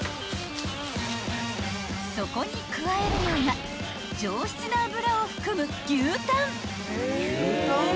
［そこに加えるのが上質な脂を含む］